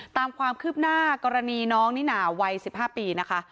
ตามความคืบหน้ากรณีน้องนิน่าวัย๑๕ปีนะคะ